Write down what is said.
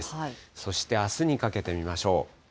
そしてあすにかけて見ましょう。